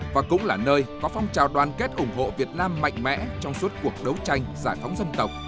và cũng là nơi có phong trào đoàn kết ủng hộ việt nam mạnh mẽ trong suốt cuộc đấu tranh giải phóng dân tộc